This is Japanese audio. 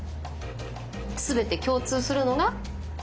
全て共通するのが？